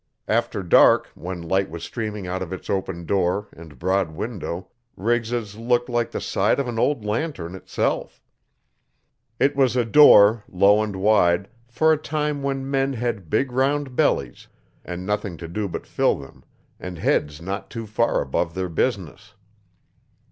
After dark, when light was streaming out of its open door and broad window Riggs's looked like the side of an old lantern itself. It was a door, low and wide, for a time when men had big round bellies and nothing to do but fill them and heads not too far above their business.